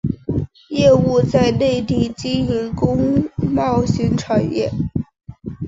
业务在内地经营工贸型产业。